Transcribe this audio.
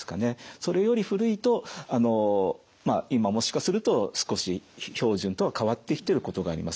それより古いと今もしかすると少し標準とは変わってきてることがあります。